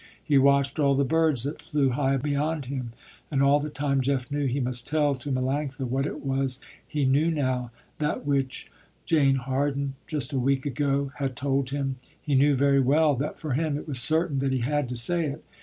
He watched all the birds that flew high beyond him, and all the time Jeff knew he must tell to Melanctha what it was he knew now, that which Jane Harden, just a week ago, had told him. He knew very well that for him it was certain that he had to say it.